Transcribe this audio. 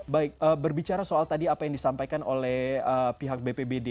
baik berbicara soal tadi apa yang disampaikan oleh pihak bpbd